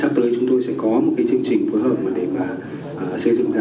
sắp tới chúng tôi sẽ có một cái chương trình phối hợp để mà xây dựng ra